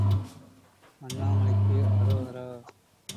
அண்ணாமலைக்கு அரோ ஹரா!